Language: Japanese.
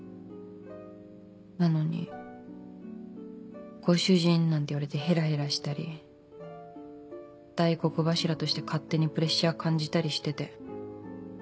なのに「ご主人」なんて言われてへらへらしたり大黒柱として勝手にプレッシャー感じたりしてて。